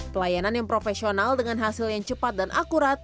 pelayanan yang profesional dengan hasil yang cepat dan akurat